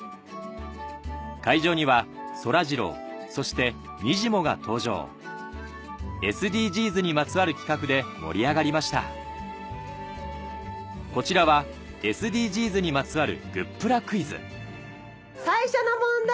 会場には「そらジロー」そして「にじモ」が登場ＳＤＧｓにまつわる企画で盛り上がりましたこちらはＳＤＧｓにまつわる最初の問題